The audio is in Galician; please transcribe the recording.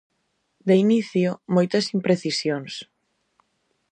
De inicio moitas imprecisións.